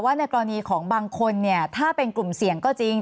ในกรณีของบางคนเนี่ยถ้าเป็นกลุ่มเสี่ยงก็จริง